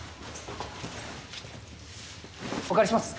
お借りします。